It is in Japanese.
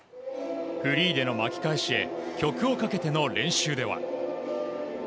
フリーでの巻き返しへ、曲をかけての練習では。